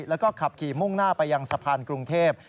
แล้วก็ขับขี่มุ่งหน้าไปยังสะพานกรุงเทพ